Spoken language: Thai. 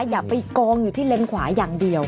อย่าไปกองอยู่ที่เลนส์ขวาอย่างเดียว